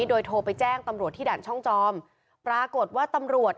โดยโทรไปแจ้งตำรวจที่ด่านช่องจอมปรากฏว่าตำรวจ